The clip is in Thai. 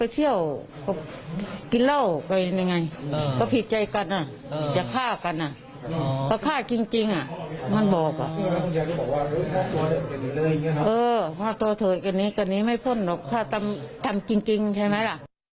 เธอกันนี้กันนี้ไม่พ่นหรอกถ้าทำจริงใช่ไหมล่ะ